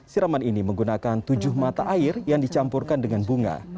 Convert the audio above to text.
siraman ini menggunakan tujuh mata air yang dicampurkan dengan bunga